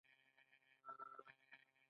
دا د مشخصو موضوعاتو په اړه صادریږي.